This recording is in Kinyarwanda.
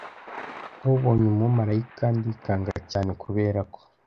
nkubonye umumarayika ndikanga cyane kuberako